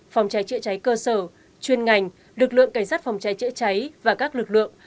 phòng cháy chữa cháy cơ sở chuyên ngành lực lượng cảnh sát phòng cháy chữa cháy và các lực lượng